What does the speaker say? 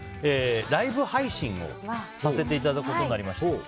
ライブ配信をさせていただくことになりました。